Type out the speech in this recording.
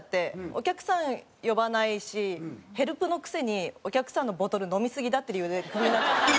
お客さん呼ばないしヘルプのくせにお客さんのボトル飲みすぎだって理由でクビになっちゃって。